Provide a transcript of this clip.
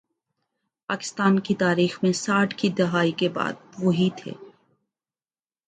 پاکستان کی تاریخ میں ساٹھ کی دہائی کے بعد، وہی تھے۔